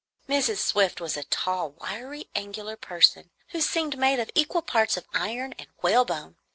Mrs. Swift was a tall, wiry, angular person, who seemed made of equal parts of iron and whalebone.